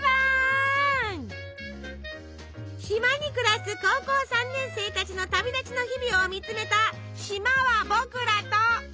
島に暮らす高校３年生たちの旅立ちの日々を見つめた「島はぼくらと」。